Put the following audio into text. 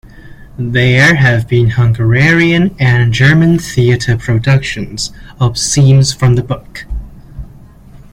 There have been Hungarian and German theater productions of scenes from the book.